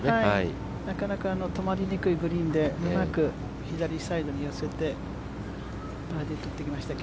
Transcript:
なかなか止まりにくいグリーンでうまく左サイドにのせてバーディーをとってきました。